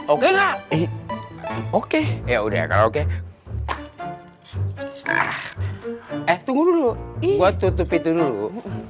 oke oke ya udah oke eh tunggu dulu gua tutup itu dulu